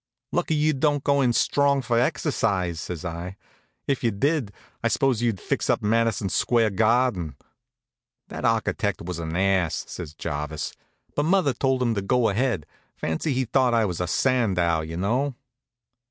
"Lucky you don't go in strong for exercise," says I. "If you did, I s'pose you'd fix up Madison Square Garden?" "That architect was an ass," says Jarvis; "but mother told him to go ahead. Fancy he thought I was a Sandow, you know."